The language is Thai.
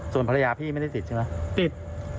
ส่วนภรรยาพี่ไม่ได้ติดใช่ไหมติด